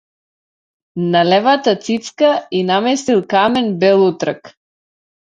На левата цицка ѝ наместил камен белутрак.